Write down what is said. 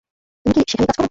তুমি কি সেখানেই কাজ করো?